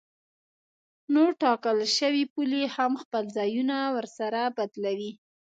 نو ټاکل شوې پولې هم خپل ځایونه ورسره بدلوي.